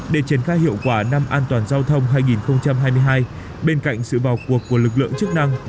để triển khai hiệu quả năm an toàn giao thông hai nghìn hai mươi hai bên cạnh sự vào cuộc của lực lượng chức năng